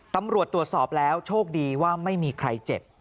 ตำรวจตรวจสอบแล้วโชคดีว่าไม่มีใครเจ็บ